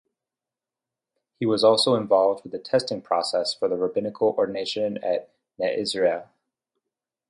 He also was involved with the testing process for rabbinical ordination at "Ner Yisroel".